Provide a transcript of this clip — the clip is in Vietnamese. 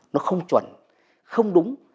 nó không chuẩn không đúng